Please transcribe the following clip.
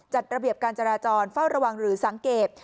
จัดระเบียบการจราจรเฝ้าระวังหรือสังเกต